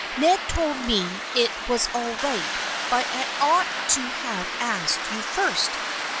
Ned told me it was all right, but I ought to have asked you first."